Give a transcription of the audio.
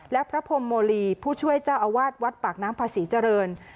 และพระพรมโมลีผู้ช่วยเจ้าอาวาสวัดปากน้ำภาษีเจริญ